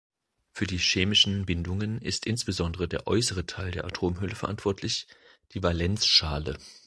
Für die chemischen Bindungen ist insbesondere der äußere Teil der Atomhülle verantwortlich, die Valenzschale.